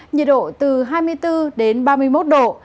nhiệt độ từ hai mươi bốn đến ba mươi một độ